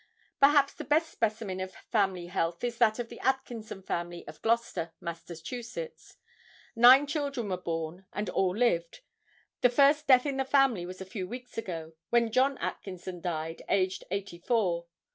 Perhaps the best specimen of family health is that of the Atkinson family of Gloucester, Mass. Nine children were born, and all lived. The first death in the family was a few weeks ago, when John Atkinson died, aged eighty four.